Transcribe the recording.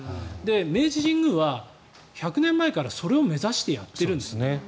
明治神宮は１００年前からそれを目指してやっているんですね。